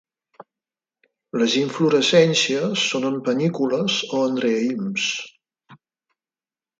Les inflorescències són en panícules o en raïms.